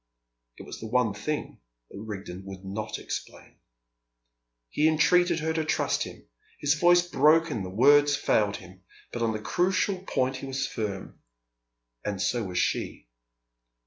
It was the one thing that Rigden would not explain. He entreated her to trust him. His voice broke and the words failed him. But on the crucial point he was firm. And so was she.